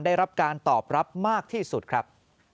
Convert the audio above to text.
ได้รับการตอบรับมากที่สุดครับ